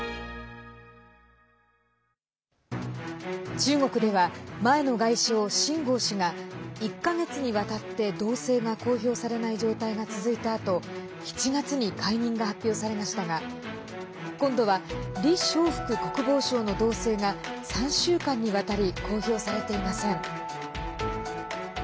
中国では前の外相秦剛氏が１か月にわたって動静が公表されない状態が続いたあと７月に解任が発表されましたが今度は李尚福国防相の動静が３週間にわたり公表されていません。